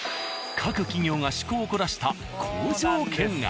各企業が趣向を凝らした工場見学。